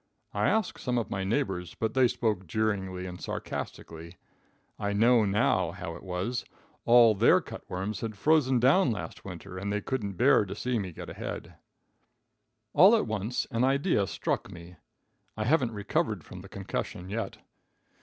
I asked some of my neighbors, but they spoke jeeringly and sarcastically. I know now how it was. All their cut worms had frozen down last winter, and they couldn't bear to see me get ahead. [Illustration: THEY SPOKE JEERINGLY.] All at once, an idea struck me. I haven't recovered from the concussion yet.